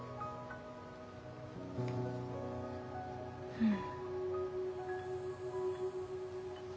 うん。